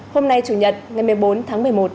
hôm nay chủ nhật ngày một mươi bốn tháng một mươi một